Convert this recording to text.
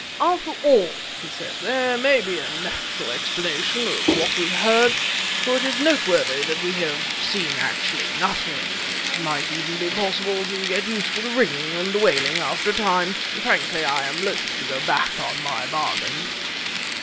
"After all," he said, "there may be a natural explanation of what we've heard; for it is noteworthy that we have actually seen nothing. It might even be possible to get used to the ringing and the wailing after a time. Frankly, I am loath to go back on my bargain!"